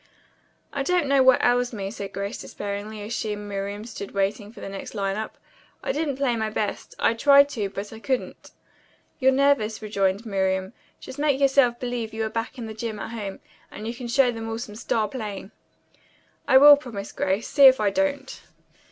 "I don't know what ails me," said Grace despairingly, as she and Miriam stood waiting for the next line up. "I didn't play my best. I tried to, but I couldn't." "You're nervous," rejoined Miriam. "Just make yourself believe you are back in the gym at home and you can show them some star playing." "I will," promised Grace. "See if I don't."